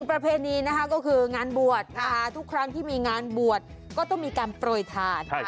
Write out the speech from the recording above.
ประเภทนี้ก็คืองานบวชทุกครั้งที่มีงานบวชก็ต้องมีการปล่อยทาน